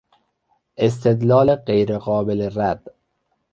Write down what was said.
استدلال غیرقابل رد